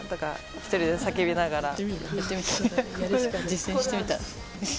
実践してみたら？